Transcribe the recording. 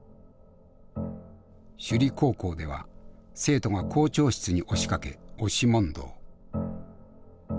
首里高校では生徒が校長室に押しかけ押し問答。